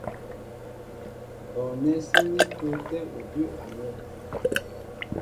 Bɔɔnɛ́ síní pə́ə́tɛ́ udʉ́ a myɛ́.